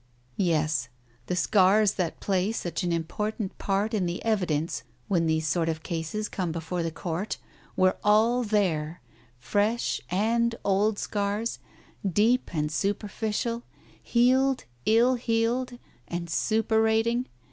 Yes, the scars that play such an important part in the evidence when these sort of cases come before the court were all there, fresh and old scars ; deep and superficial ; healed, ill healed, and suppurating.